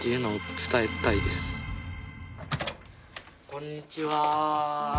こんにちは。